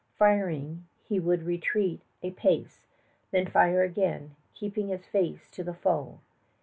Firing, he would retreat a pace, then fire again, keeping his face to the foe.